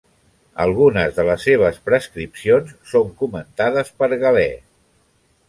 Algunes de les seves prescripcions són comentades per Galè.